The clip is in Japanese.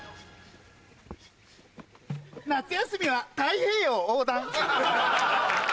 夏休みは太平洋横断。